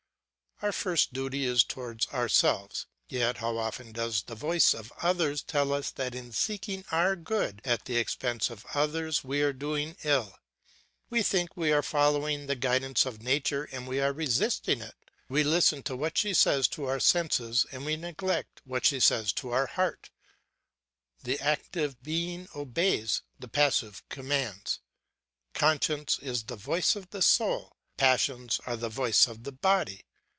Our first duty is towards ourself; yet how often does the voice of others tell us that in seeking our good at the expense of others we are doing ill? We think we are following the guidance of nature, and we are resisting it; we listen to what she says to our senses, and we neglect what she says to our heart; the active being obeys, the passive commands. Conscience is the voice of the soul, the passions are the voice of the body.